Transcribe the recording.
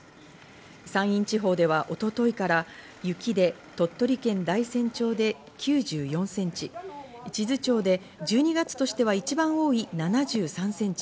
山陰地方では一昨日から雪で鳥取県大山町で９４センチ、智頭町で１２月としては一番多い７３センチ。